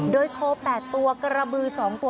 โดยโค๘ตัวกระบือ๒ตัว